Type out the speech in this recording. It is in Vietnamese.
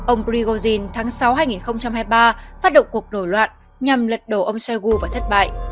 ông prigozhin tháng sáu hai nghìn hai mươi ba phát động cuộc đổi loạn nhằm lật đổ ông shoigu và thất bại